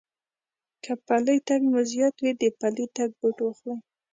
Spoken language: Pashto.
که پٔلی تگ مو زيات وي، د پلي تگ بوټ واخلئ.